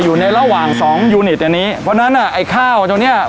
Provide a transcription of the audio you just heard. อยู่ในระหว่างสองยูนิตอันนี้เพราะฉะนั้นอ่ะไอ้ข้าวตรงเนี้ย